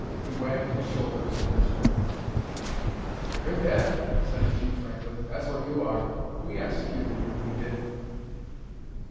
He wagged his shoulders in misery. "You're dead," said the chief, frankly. "That's what you are. We executed you, we did."